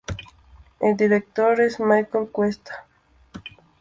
El director es Michael Cuesta.